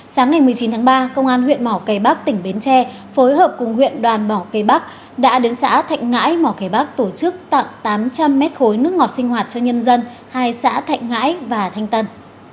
sáng ngày một mươi chín tháng ba công an huyện mỏ cây bắc tỉnh bến tre phối hợp cùng huyện đoàn mỏ cây bắc đã đến xã thạnh ngãi mỏ cái bắc tổ chức tặng tám trăm linh mét khối nước ngọt sinh hoạt cho nhân dân hai xã thạnh ngãi và thanh tân